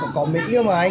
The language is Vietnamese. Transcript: ờ có có mỹ yêu mà anh